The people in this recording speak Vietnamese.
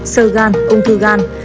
sơ gan ung thư gan